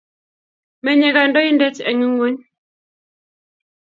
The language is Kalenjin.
Menye kandoindet eng ingweny